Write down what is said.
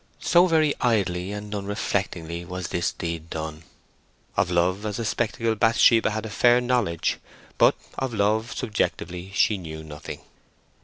So very idly and unreflectingly was this deed done. Of love as a spectacle Bathsheba had a fair knowledge; but of love subjectively she knew nothing.